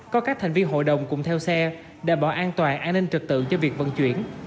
có các thành viên hội đồng cùng theo xe đảm bảo an toàn an ninh trực tự cho việc vận chuyển